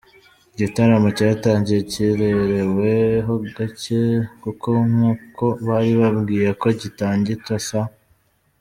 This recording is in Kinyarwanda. igitaramo cyatangiye gikererewe ho gake kuko nkuko bari babwiyeko gitangita saa.